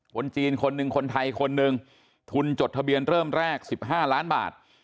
คนจีนคนหนึ่งคนไทยคนหนึ่งทุนจดทะเบียนเริ่มแรก๑๕ล้านบาท